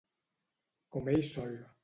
Com ell sol.